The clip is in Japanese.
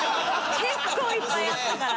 結構いっぱいあったから。